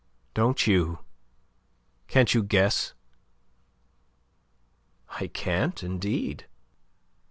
Don't you? Can't you guess?" "I can't, indeed."